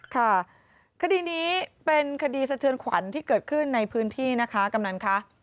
คดีนี้เป็นคดีสะเทือนขวัญที่เกิดขึ้นในพื้นที่นะคะกำนันค่ะ